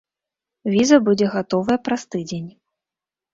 Віза будзе гатовая праз тыдзень.